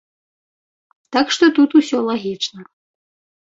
Так што тут усё лагічна.